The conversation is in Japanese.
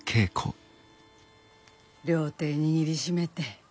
両手握りしめて。